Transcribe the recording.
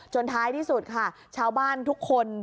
ท้ายที่สุดค่ะชาวบ้านทุกคน